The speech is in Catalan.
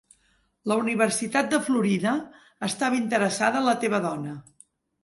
La Universitat de Florida estava interessada en la teva dona.